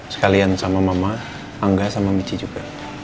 sekalian sama mama angga sama michi juga